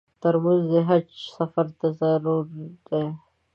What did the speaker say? ترموز د حج سفر ته ضرور دی.